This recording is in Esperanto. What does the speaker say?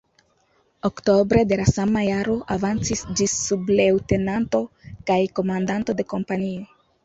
Oktobre de la sama jaro avancis ĝis subleŭtenanto kaj komandanto de kompanio.